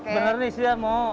bener nih siap mau